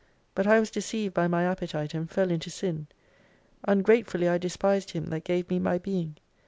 But I was deceived by my appetite, and fell into Sin. Ungratefully I despised Him that gave me my being.